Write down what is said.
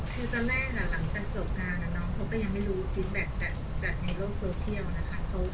คือตอนแรกหลังจากเกี่ยวกับงานเขาก็ยังไม่รู้สิทธิ์แบบในโลกโซเชียลนะคะ